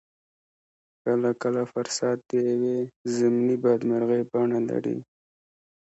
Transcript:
کله کله فرصت د يوې ضمني بدمرغۍ بڼه لري.